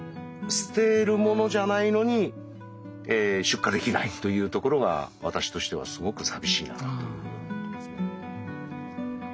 捨てるものじゃないのに出荷できないというところが私としてはすごく寂しいなというふうに思いますね。